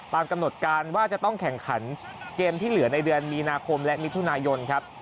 ตามกำหนดการว่าจะต้องแข่งขันเกมที่เหลือในเดือนมีนาคมและมิถุนายนครับ